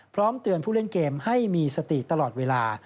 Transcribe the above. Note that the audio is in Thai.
พร้อมเตือนผู้เล่นเกมให้มีสติตลอดเวลา